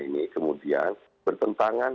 ini kemudian bertentangan